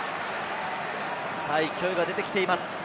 勢いが出てきています。